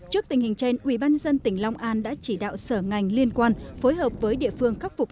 trước tình hình trên ubnd tỉnh long an đã chỉ đạo sở ngành liên quan phối hợp với địa phương khắc phục